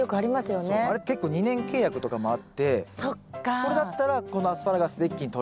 それだったらこのアスパラガスで一気にとれるし。